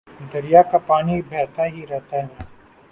دریا کا پانی بہتا ہی رہتا ہے